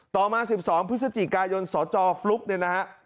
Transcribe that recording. ต่อมา๑๒พฤศจิกายนสจฟลุ๊กเนี่ยนะฮะ